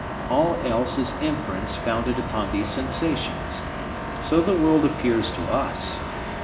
All else is inference founded upon these sensations. So the world appears to us.